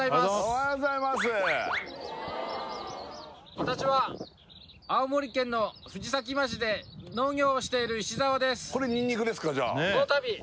私は青森県の藤崎町で農業をしている石澤です